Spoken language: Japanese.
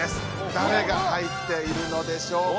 だれが入っているのでしょうか？